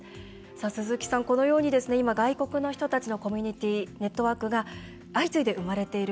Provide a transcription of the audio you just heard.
鈴木さん、このように今外国の人たちのコミュニティーネットワークが相次いで生まれている。